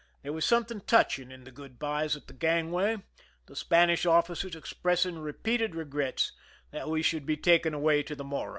There was something touching in the good bys at the gang way, the Spanish officers expressing repeated re grets that we should be taken away to the Morro.